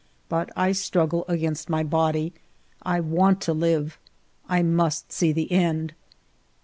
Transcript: But I struggle against my body ,' I want to live. I must see the end.